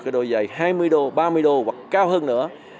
cái đôi giày hai mươi đô ba mươi đô hoặc cao hơn nữa